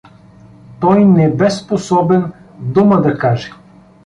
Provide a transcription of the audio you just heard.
Той не бе способен дума да каже.